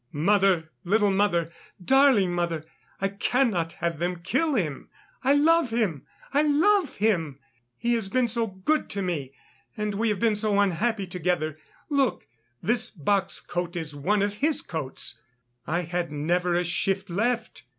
Mother, little mother, darling mother, I cannot have them kill him. I love him! I love him! He has been so good to me, and we have been so unhappy together. Look, this box coat is one of his coats. I had never a shift left.